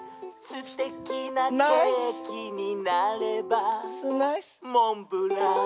「すてきなケーキになればモンブラン！」